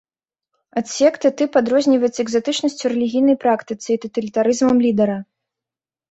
Ад секты тып адрозніваецца экзатычнасцю рэлігійнай практыцы і таталітарызмам лідара.